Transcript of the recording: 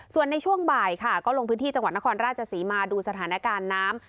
ส่วนในช่วงบ่ายค่ะก็ลงพื้นที่จังหวัดนครราชศรีมาดูสถานการณ์น้ำ